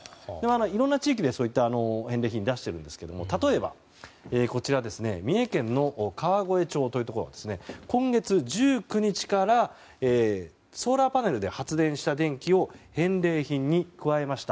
いろんな地域でそういった返礼品を出しているんですが例えば三重県の川越町では今月１９日からソーラーパネルで発電した電気を返礼品に加えました。